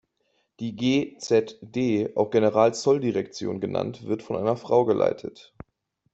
Die G-Z-D, auch Generalzolldirektion genannt wird von einer Frau geleitet.